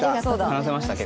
話せました？